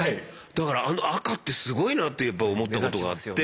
だからあの赤ってすごいなってやっぱ思ったことがあって。